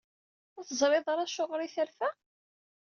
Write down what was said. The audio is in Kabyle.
Ur teẓrid ara Acuɣer ay terfa?